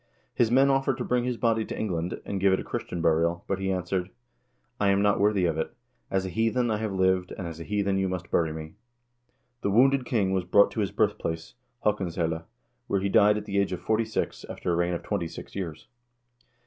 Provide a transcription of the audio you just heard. His men offered to bring his body to Eng land, and give it Christian burial, but he answered :" I am not worthy of it. As a heathen I have lived, and as a heathen you must bury me." The wounded king was brought to his birthplace, Haakons helle, where he died at the age of forty six, after a reign of twenty six years.